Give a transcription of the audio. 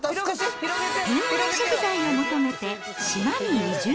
天然食材を求めて島に移住。